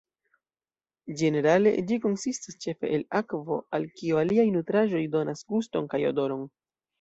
Ĝenerale ĝi konsistas ĉefe el akvo, al kio aliaj nutraĵoj donas guston kaj odoron.